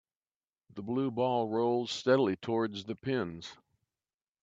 The blue ball rolls steadily towards the pins.